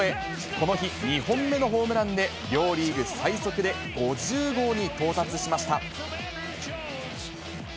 この日、２本目のホームランで、両リーグ最速で５０号に到達しました。